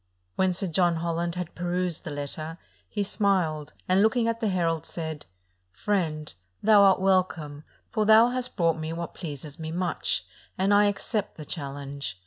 When Sir John Holland had perused the letter, he smiled, and, looking at the herald, said, "Friend, thou art welcome; for thou hast brought me what pleases me much, and I accept the challenge.